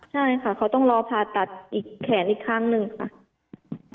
ใช่ค่ะเขาต้องรอผ่าตัดอีกแขนอีกครั้งหนึ่งค่ะ